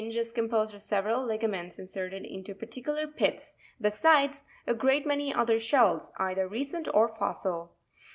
94), in which the hinge 1s composed of several ligaments inserted into particular pits ; besides a great many other shells, either recent or fossil.